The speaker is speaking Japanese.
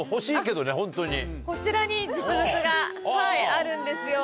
こちらに実物がはいあるんですよ。